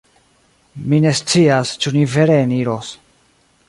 Mi ne scias, ĉu ni vere eniros